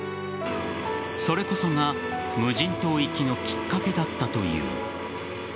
それこそが無人島行きのきっかけだったという。